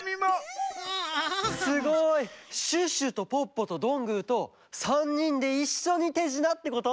すごい！シュッシュとポッポとどんぐーと３にんでいっしょにてじなってこと？